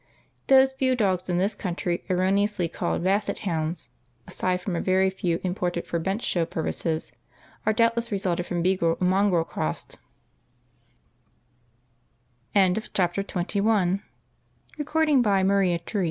Those few dogs in this country erroneously called Basset hounds, (aside from a very few imported for bench show purposes) are doubtless resulted from beagle and mongrel crossed. [Illustration: A Pure Pointer.] CHAPTER XXII.